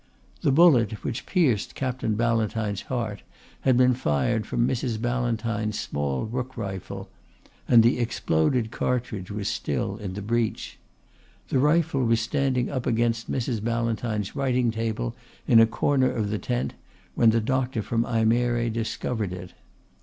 The bullet which pierced Captain Ballantyne's heart had been fired from Mrs. Ballantyne's small rook rifle, and the exploded cartridge was still in the breech. The rifle was standing up against Mrs. Ballantyne's writing table in a corner of the tent, when the doctor from Ajmere discovered it.